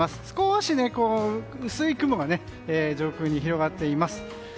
少し、薄い雲が上空に広がっています。